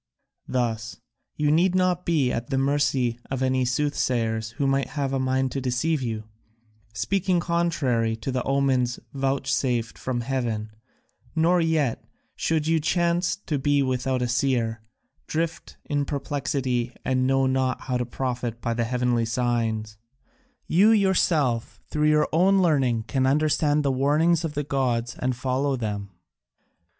Thus you need not be at the mercy of any soothsayers who might have a mind to deceive you, speaking contrary to the omens vouchsafed from heaven, nor yet, should you chance to be without a seer, drift in perplexity and know not how to profit by the heavenly signs: you yourself through your own learning can understand the warnings of the gods and follow them."